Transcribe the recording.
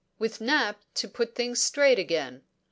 "With Nap to put things straight again.